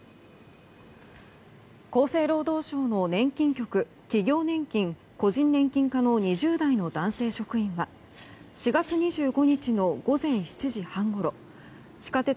厚生労働省の年金局企業年金・個人年金課の２０代の男性職員は４月２５日の午前７時半ごろ地下鉄